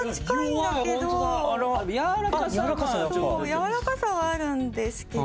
やわらかさはあるんですけど。